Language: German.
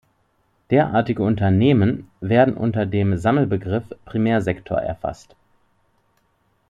Derartige Unternehmen werden unter dem Sammelbegriff Primärsektor erfasst.